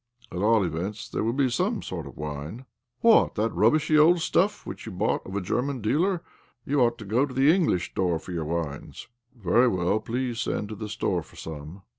At all events there will be some sort of wine." " What ? The rubbishy old stuff which you bought of a German dealer? You ought to go to the English Store for your wines." " Very well. Please send to the Store for some."